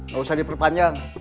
gak usah diperpanjang